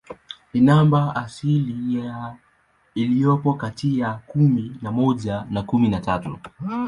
Ni namba asilia iliyopo kati ya kumi na moja na kumi na tatu.